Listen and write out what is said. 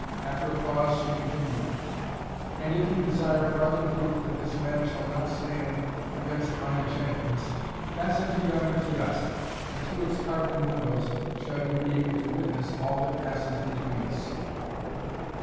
After a pause she continued: "And if you desire farther proof that this man shall not stand against my enchantments, pass into yonder kiosk and through its carven windows shall you be able to witness all that passes between us."